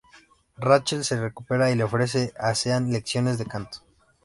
Rachel se recupera y le ofrece a Sean lecciones de canto.